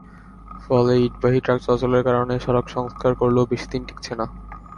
ফলে ইটবাহী ট্রাক চলাচলের কারণে সড়ক সংস্কার করলেও বেশি দিন টিকছে না।